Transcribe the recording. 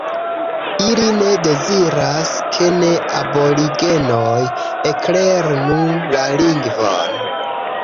Ili ne deziras ke ne-aborigenoj eklernu la lingvon